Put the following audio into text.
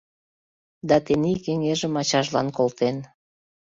Да тений кеҥежым ачажлан колтен.